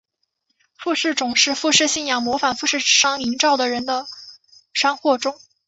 富士冢是富士信仰模仿富士山营造的人工的山或冢。